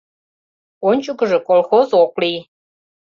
Ончыкыжо колхоз ок лий...